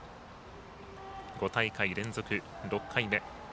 ５大会連続、６回目。